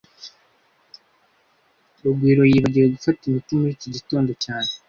Rugwiro yibagiwe gufata imiti muri iki gitondo cyane